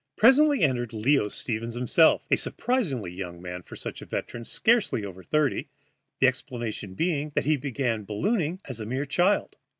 Presently entered Leo Stevens himself, a surprisingly young man for such a veteran, scarcely over thirty, the explanation being that he began ballooning as a mere child.